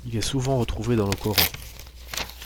Il est souvent retrouvé dans le Coran.